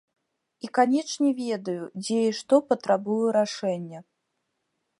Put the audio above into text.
І канечне ведаю, дзе і што патрабуе рашэння.